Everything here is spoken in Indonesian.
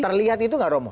terlihat itu gak romo